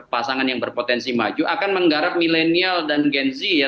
pasangan yang berpotensi maju akan menggarap milenial dan gen z ya